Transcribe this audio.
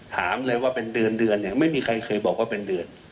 ถามเลยว่าเป็นเดือนเดือนเนี่ยไม่มีใครเคยบอกว่าเป็นเดือน